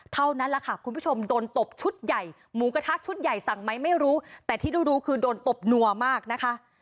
เท่านั้นแหละค่ะคุณผู้ชมโดนตบชุดใหญ่หมูกระทะชุดใหญ่สั่งไหมไม่รู้แต่ที่รู้รู้คือโดนตบนัวมากนะคะ